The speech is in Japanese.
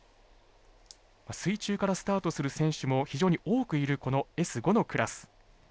水中からスタートする選手も非常に多くいる、Ｓ５のクラス。